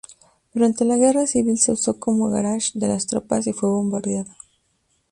Durante la guerra civil se usó como garaje de las tropas y fue bombardeado.